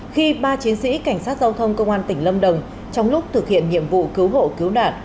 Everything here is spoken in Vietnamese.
khi ba chiến sĩ cảnh sát giao thông công an tỉnh lâm đồng trong lúc thực hiện nhiệm vụ cứu hộ cứu nạn